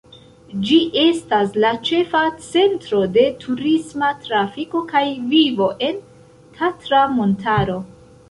Ĝi estas la ĉefa centro de turisma trafiko kaj vivo en Tatra-montaro.